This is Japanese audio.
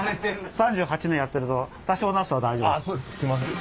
３８年やってると多少の熱さは大丈夫です。